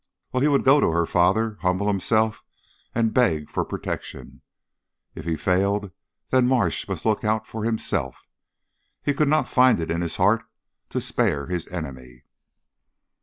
Well, he would go to her father, humble himself, and beg for protection. If he failed, then Marsh must look out for himself. He could not find it in his heart to spare his enemy.